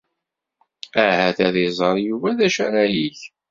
Ahat ad iẓer Yuba d acu ara yeg.